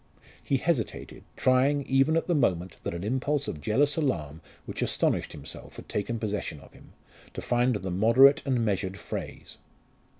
He hesitated, trying, even at the moment that an impulse of jealous alarm which astonished himself had taken possession of him, to find the moderate and measured phrase.